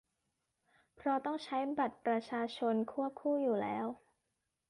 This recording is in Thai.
เพราะต้องใช้บัตรประชาชนควบคู่อยู่แล้ว